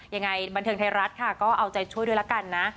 ยังไงบันเทิงไทยรัฐค่ะก็เอาใจช่วยด้วยละกันนะ